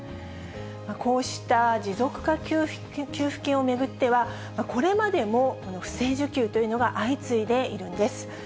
こうした持続化給付金を巡っては、これまでも不正受給というのが相次いでいるんです。